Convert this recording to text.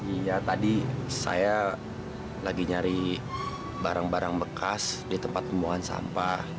iya tadi saya lagi nyari barang barang bekas di tempat pembuangan sampah